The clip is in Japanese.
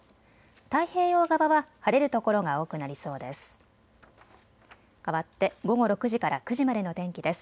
太平洋側は晴れる所が多くなりそうです。